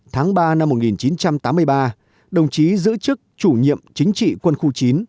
tháng ba năm một nghìn chín trăm tám mươi ba đồng chí giữ chức chủ nhiệm chính trị quân khu chín